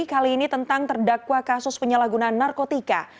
kali ini tentang terdakwa kasus penyalahgunaan narkotika